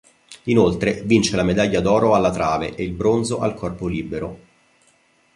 Inoltre, vince la medaglia d'oro alla trave e il bronzo al corpo libero.